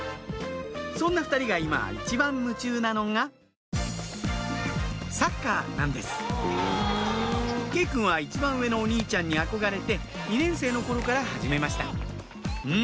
そんな２人が今一番夢中なのがサッカーなんです慶くんは一番上のお兄ちゃんに憧れて２年生の頃から始めましたうん！